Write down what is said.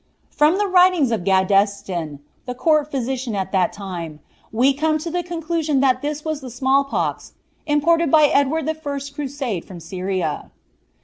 From the writings of Gaddesden, court physician at this time, we come to the conclusion thai this was the smaU pox, imported by Edward I.'s crusade from Syria.